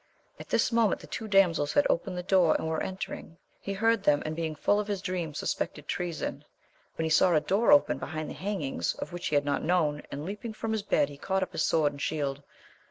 At this moment the two damsels had opened the door, and were entering ; he heard them, and being full of his dream suspected treason, when he saw a door open behind the hangings, of which he had not known, and leaping from the bed he caught up his sword and shield.